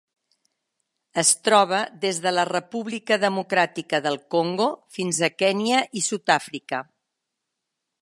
Es troba des de la República Democràtica del Congo fins a Kenya i Sud-àfrica.